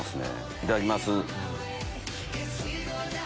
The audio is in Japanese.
いただきます。